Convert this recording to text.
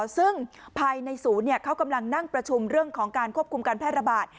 ซึ่งภายในศูนย์เขากำลังนั่งประชุมเรื่องของการควบคุมการแพร่ระบาด